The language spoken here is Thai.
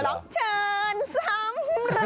ร้องเชิญซ้ำลุง